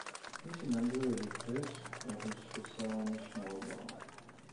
მისი ნანგრევები დღეს ღირსშესანიშნაობაა.